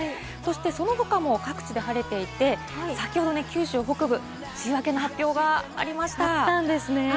その他も各地で晴れていて、先ほど九州北部、梅雨明けの発表がありました。